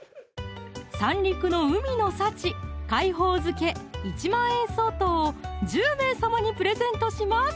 三陸の海の幸「海宝漬」１万円相当を１０名様にプレゼントします